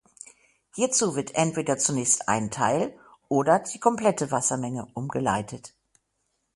Hierzu wird entweder zunächst ein Teil oder die komplette Wassermenge umgeleitet.